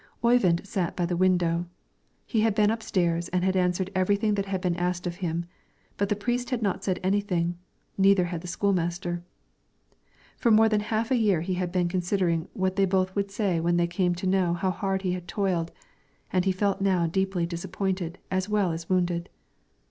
Oyvind sat by the window, he had been upstairs and had answered everything that had been asked him; but the priest had not said anything, neither had the school master. For more than half a year he had been considering what they both would say when they came to know how hard he had toiled, and he felt now deeply disappointed as well as wounded.